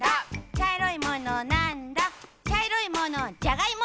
「ちゃいろいものなんだ？」